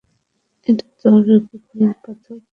এটা তোর কিডনির পাথর বিলীন করবে।